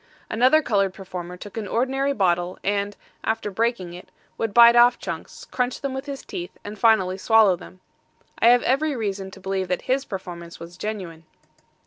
Another colored performer took an ordinary bottle, and, after breaking it, would bite off chunks, crunch them with his teeth, and finally swallow them. I have every reason to believe that his performance was genuine.